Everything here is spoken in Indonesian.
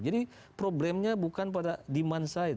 jadi problemnya bukan pada demand side